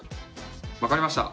分かりました。